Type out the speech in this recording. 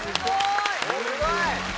すごい。